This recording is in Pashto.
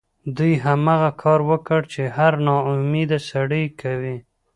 دوی هماغه کار وکړ چې هر ناامیده سړی یې کوي